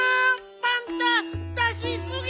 パンタ出しすぎ！